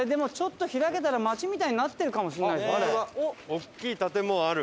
大きい建物ある！